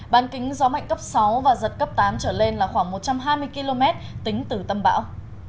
bán kính gió mạnh cấp sáu và giật cấp tám trở lên là khoảng một trăm hai mươi km tính từ tâm bão